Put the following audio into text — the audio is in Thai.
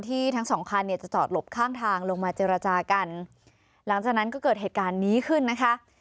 ทั้งสองคันเนี่ยจะจอดหลบข้างทางลงมาเจรจากันหลังจากนั้นก็เกิดเหตุการณ์นี้ขึ้นนะคะ